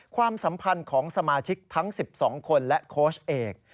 ความสัมพันธ์ของสมาชิกทั้ง๑๒คนและโค้ชเอก